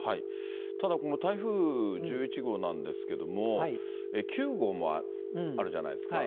ただこの台風１１号なんですけども、９号もあるじゃないですか。